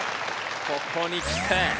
ここにきて。